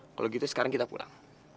kalau gitu sekarang kita pulang